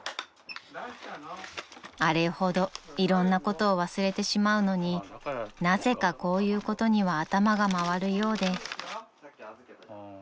［あれほどいろんなことを忘れてしまうのになぜかこういうことには頭が回るようで］